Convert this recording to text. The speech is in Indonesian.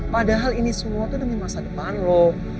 padahal ini semua tuh demi masa depan lo